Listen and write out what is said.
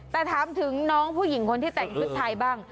แต่ถามถึงน้องผู้หญิงคนที่แต่งชุดไทยบ้าง